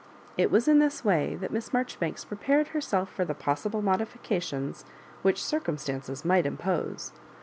It was in this way that Miss Marjoribanks prepared herself for the possible modifications which cmsumstances might impose.